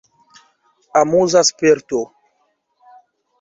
Amuza sperto.